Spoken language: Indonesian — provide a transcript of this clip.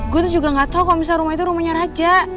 gue tuh juga gak tau kalo misalnya rumah itu rumahnya raja